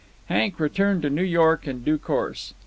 Hank returned to New York in due course.